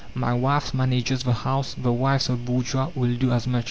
My wife manages the house; the wives of bourgeois will do as much."